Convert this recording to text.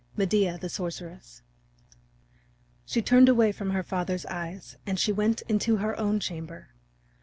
MEDEA THE SORCERESS She turned away from her father's eyes and she went into her own chamber.